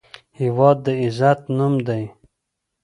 هېواد د عزت نوم دی.